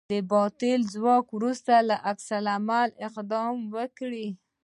د باطل له ځواک وروسته عکس العملي اقدام وکړئ.